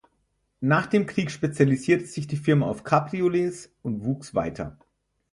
Nach dem Krieg spezialisierte sich die Firma auf Cabriolets und wuchs weiter.